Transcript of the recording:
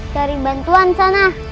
cari bantuan sana